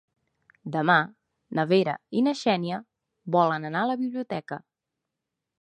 Demà na Vera i na Xènia volen anar a la biblioteca.